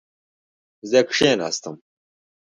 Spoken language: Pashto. زه کښېناستم